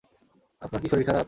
আপনার কি শরীর খারাপ?